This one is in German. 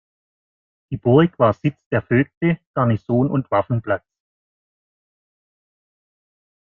Die Burg war Sitz der Vögte, Garnison und Waffenplatz.